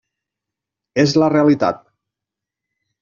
És la realitat.